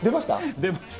出ました。